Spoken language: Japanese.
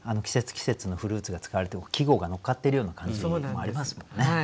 季節季節のフルーツが使われて季語がのっかっているような感じもありますもんね。